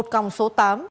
một còng số tám